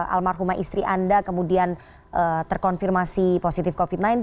almarhumah istri anda kemudian terkonfirmasi positif covid sembilan belas